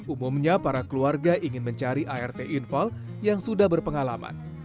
umumnya para keluarga ingin mencari art infal yang sudah berpengalaman